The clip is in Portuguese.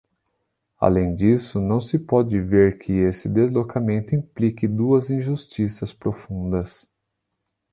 Além disso, não se pode ver que esse deslocamento implique duas injustiças profundas.